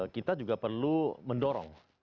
kita juga perlu mendorong